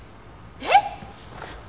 えっ！？